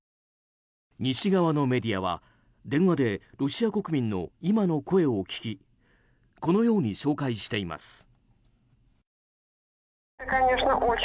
西側のメディアは電話でロシア国民の今の声を聞きこのように紹介しています。